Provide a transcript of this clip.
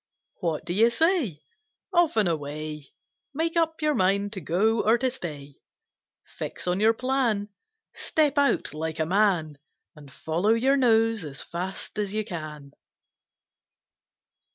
What do you say? Off and away! Make up your mind to go or to stay. Fix on your plan, Step out like a man, And follow your nose as fast as you can!